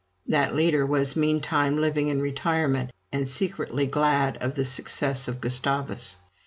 That leader was meantime living in retirement, and secretly glad of the success of Gustavus.